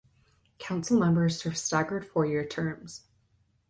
Council members serve staggered four-year terms.